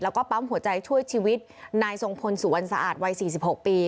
แล้วก็ปั๊มหัวใจช่วยชีวิตนายทรงพลสุวรรณสะอาดวัย๔๖ปี